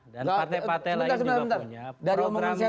dan pate pate lain juga punya program